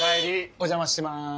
お邪魔してます。